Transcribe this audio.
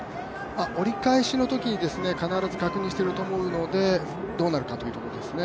折り返しのときに必ず確認してると思うのでどうなるかですね。